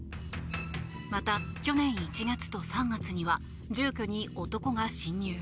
また去年１月と３月には住居に男が侵入。